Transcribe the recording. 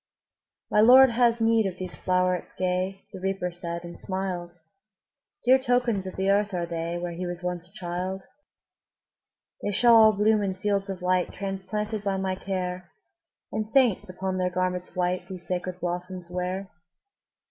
``My Lord has need of these flowerets gay,'' The Reaper said, and smiled; ``Dear tokens of the earth are they, Where he was once a child. ``They shall all bloom in fields of light, Transplanted by my care, And saints, upon their garments white, These sacred blossoms wear.''